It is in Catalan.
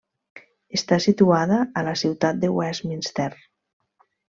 Està situada a la Ciutat de Westminster.